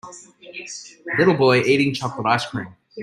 Little boy eating chocolate ice cream.